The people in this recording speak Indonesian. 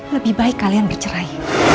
lebih baik kalian bercerai